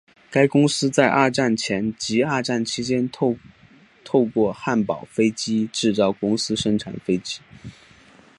该公司在二战前及二战期间透过汉堡飞机制造公司生产飞机。